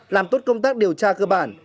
làm tốt công tác điều tra cơ bản